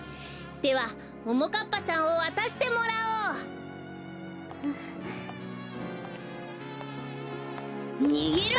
ではももかっぱちゃんをわたしてもらおう！にげろ！